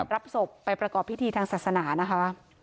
รับศพไปประกอบพิธีทางศาสนานะคะ